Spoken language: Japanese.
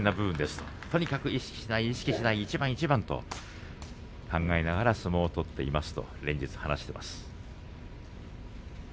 とにかく意識しない意識しない一番一番と考えながら相撲を取っていますと話しています。